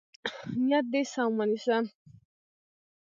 نیت دې سم ونیسه.